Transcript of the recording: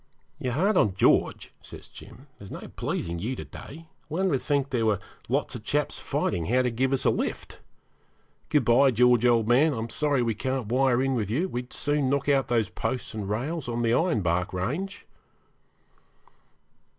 'You're hard on George,' says Jim, 'there's no pleasing you to day; one would think there were lots of chaps fighting how to give us a lift. Good bye, George, old man; I'm sorry we can't wire in with you; we'd soon knock out those posts and rails on the ironbark range.'